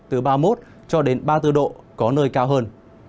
từ ba mươi một ba mươi bốn độ có nơi cao hơn